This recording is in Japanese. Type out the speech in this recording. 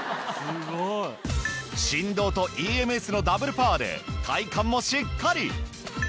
振動とＥＭＳのダブルパワーで体幹もしっかり。